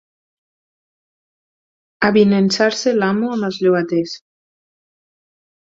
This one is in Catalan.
Avinençar-se l'amo amb els llogaters.